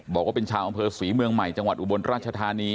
บอกว่าเป็นชาวอำเภอศรีเมืองใหม่จังหวัดอุบลราชธานี